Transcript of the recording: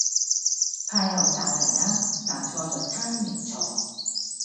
派口罩係啱,但錯在 timing 錯